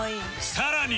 さらに